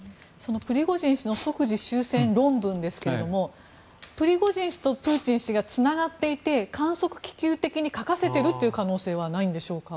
プリゴジン氏の即時終戦論文ですけどもプリゴジン氏とプーチン氏がつながっていて観測気球的に書かせているという可能性はないんでしょうか？